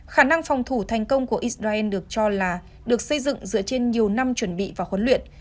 khả năng phòng thủ thành công của israel được cho là được xây dựng dựa trên nhiều năm chuẩn bị và huấn luyện